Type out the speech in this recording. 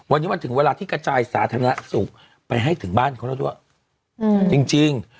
วันนี้มันถึงเวลาที่กระจายสาธารณสุขไปให้ถึงบ้านเขาแล้วด้วยจริง